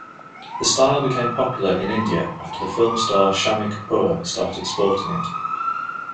The style became popular in India after film star Shammi Kapoor started sporting it.